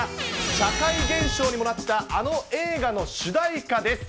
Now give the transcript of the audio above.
社会現象にもなったあの映画の主題歌です。